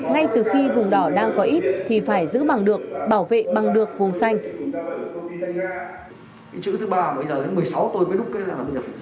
ngay từ khi vùng đỏ đang có ít thì phải giữ bằng được bảo vệ bằng được vùng xanh